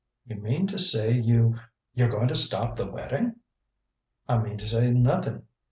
"You mean to say you you're going to stop the wedding?" "I mean to say nothing.